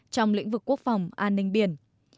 trong lĩnh vực quốc phòng an ninh biển